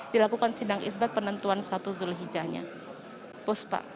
dilakukan sindang isbat penentuan satu zulhijjahnya